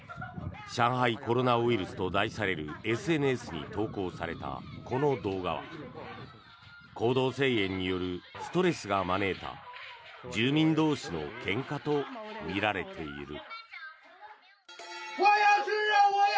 「上海コロナウイルス」と題されるＳＮＳに投稿されたこの動画は行動制限によるストレスが招いた住民同士のけんかとみられている。